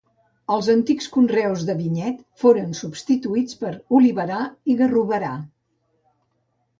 Els antics conreus de vinyet foren substituïts per oliverar i garroverar.